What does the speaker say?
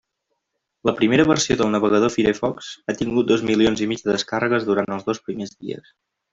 La primera versió del navegador Firefox ha tingut dos milions i mig de descàrregues durant els dos primers dies.